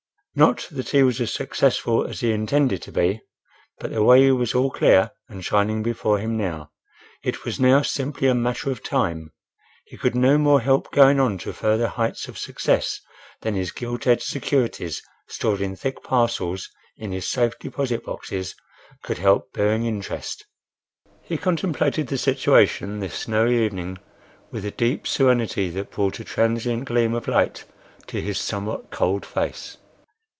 Not that he was as successful as he intended to be; but the way was all clear and shining before him now. It was now simply a matter of time. He could no more help going on to further heights of success than his "gilt edged" securities, stored in thick parcels in his safe deposit boxes, could help bearing interest. He contemplated the situation this snowy evening with a deep serenity that brought a transient gleam of light to his somewhat cold face.